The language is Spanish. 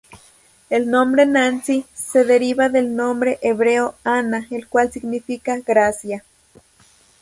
El nombre Nancy se deriva del nombre hebreo Anna, el cual significa "gracia".